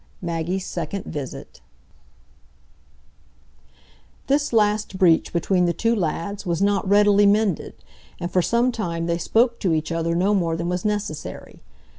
Maggie's Second Visit This last breach between the two lads was not readily mended, and for some time they spoke to each other no more than was necessary.